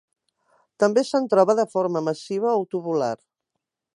També se'n troba de forma massiva o tubular.